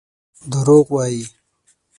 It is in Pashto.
دروغ وايي.